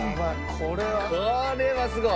これはすごい！